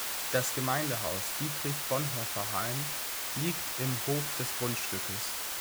Das Gemeindehaus Dietrich-Bonhoeffer-Heim liegt im Hof des Grundstückes.